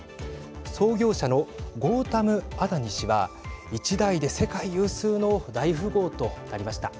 創業者のゴータム・アダニ氏は一代で世界有数の大富豪となりました。